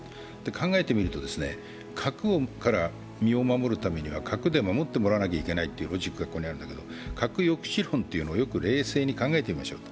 考えてみると、核から身を守るためには核で守ってもらわなくてはならないというロジックがあるんだけど核抑止論というのを冷静に考えてみましょうと。